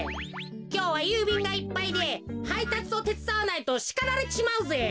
きょうはゆうびんがいっぱいではいたつをてつだわないとしかられちまうぜ。